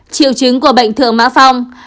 triệu chứng của bệnh thượng mã phong